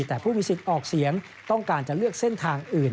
แต่ผู้มีสิทธิ์ออกเสียงต้องการจะเลือกเส้นทางอื่น